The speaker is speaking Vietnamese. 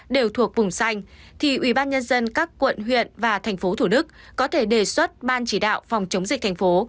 đều thuộc bùng xanh thì ubnd các quận huyện và tp hcm có thể đề xuất ban chỉ đạo phòng chống dịch thành phố